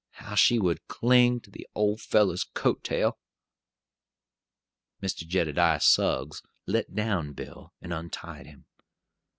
How she would cling to the old fellow's coat tail!" Mr. Jedediah Suggs let down Bill and untied him.